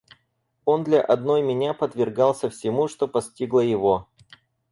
Он для одной меня подвергался всему, что постигло его.